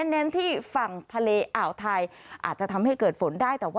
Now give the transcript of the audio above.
เน้นที่ฝั่งทะเลอ่าวไทยอาจจะทำให้เกิดฝนได้แต่ว่า